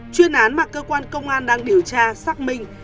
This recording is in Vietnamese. chuyên án mà cơ quan công an đang điều tra xác minh